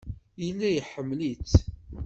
Yella iḥemmel-itt.